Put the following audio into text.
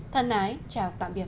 thân ái chào tạm biệt